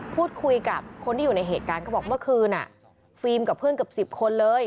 พูดคุยกับคนที่อยู่ในเหตุการณ์ก็บอกเมื่อคืนฟิล์มกับเพื่อนเกือบ๑๐คนเลย